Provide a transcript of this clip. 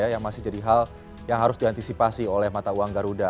yang masih jadi hal yang harus diantisipasi oleh mata uang garuda